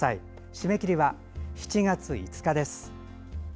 締め切りは７月５日です。